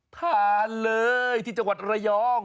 ทานเลยที่จังหวัดระยอง